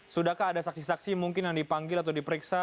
sudahkah ada saksi saksi mungkin yang dipanggil atau diperiksa